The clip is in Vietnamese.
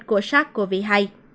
của sát covid hai